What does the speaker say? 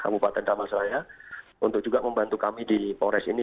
kabupaten tamasraya untuk juga membantu kami di polres ini